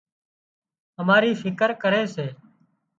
اماري فڪر ڪري سي